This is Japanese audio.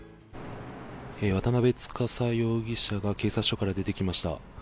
渡邉司容疑者が警察署から出てきました。